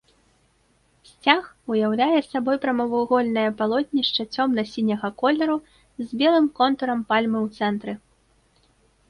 Сцяг уяўляе сабой прамавугольнае палотнішча цёмна-сіняга колеру з белым контурам пальмы ў цэнтры.